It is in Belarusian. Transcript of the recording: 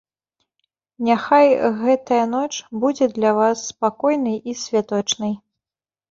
Няхай гэтая ноч будзе для вас спакойнай і святочнай.